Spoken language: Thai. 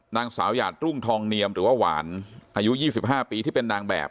นางสาวหยาดรุ่งทองเนียมหรือว่าหวานอายุ๒๕ปีที่เป็นนางแบบ